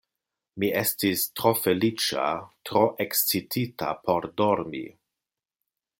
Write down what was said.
Mi estis tro feliĉa, tro ekscitita por dormi.